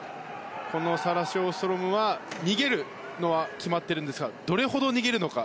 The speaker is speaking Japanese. サラ・ショーストロムは逃げるのは決まっているんですがどれほど逃げるのか。